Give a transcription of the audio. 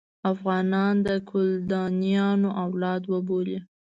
افغانان د کلدانیانو اولاد وبولي.